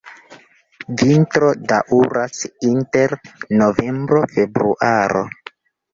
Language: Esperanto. Vintro daŭras inter novembro-februaro.